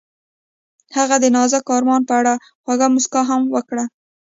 هغې د نازک آرمان په اړه خوږه موسکا هم وکړه.